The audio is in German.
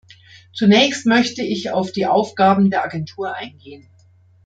Zunächst möchte ich auf die Aufgaben der Agentur eingehen.